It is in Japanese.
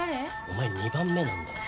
お前二番目なんだよ。